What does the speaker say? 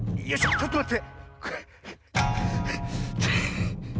ちょっとまって。